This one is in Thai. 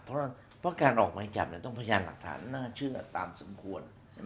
เพราะการออกหมายจับต้องพยานหลักฐานน่าเชื่อตามสมควร